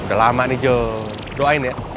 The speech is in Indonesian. udah lama nih jo doain ya